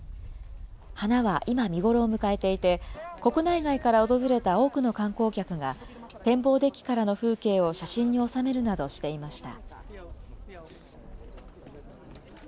花は今、見頃を迎えていて、国内外から訪れた多くの観光客が、展望デッキからの風景を写真に収めるなどしていました。